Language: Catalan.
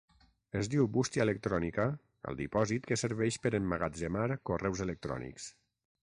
Es diu bústia electrònica al dipòsit que serveix per emmagatzemar correus electrònics.